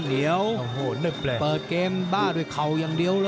เดี๋ยวเปิดเกมบ้าด้วยเข่าอย่างเดียวเลย